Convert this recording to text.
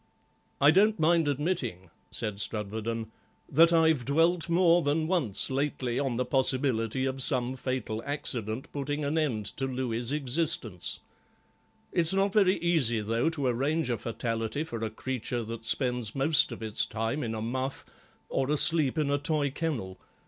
"I don't mind admitting," said Strudwarden, "that I've dwelt more than once lately on the possibility of some fatal accident putting an end to Louis's existence. It's not very easy, though, to arrange a fatality for a creature that spends most of its time in a muff or asleep in a toy kennel.